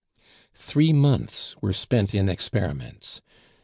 Three months were spent in experiments.